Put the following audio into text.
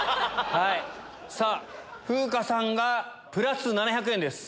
風花さんがプラス７００円です。